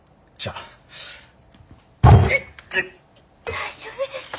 大丈夫ですか。